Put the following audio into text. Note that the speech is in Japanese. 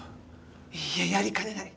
いいえやりかねない。